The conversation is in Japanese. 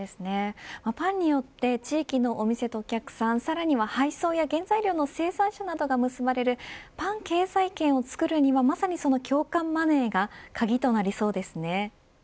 パンによって地域のお店とお客さんさらには配送や原材料の生産者が結ばれるパン経済圏をつくるにはまさに共感マネーが鍵となりそうですね。